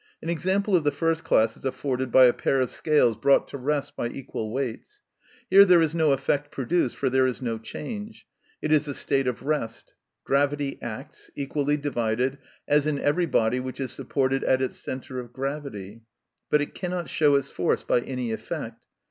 An example of the first class is afforded by a pair of scales brought to rest by equal weights. Here there is no effect produced, for there is no change; it is a state of rest; gravity acts, equally divided, as in every body which is supported at its centre of gravity, but it cannot show its force by any effect.